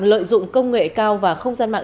lợi dụng công nghệ cao và không gian mạng